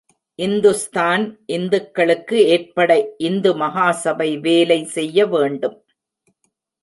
இந்துஸ்தான் இந்துக்களுக்கு ஏற்பட இந்து மகாசபை வேலை செய்ய வேண்டும்.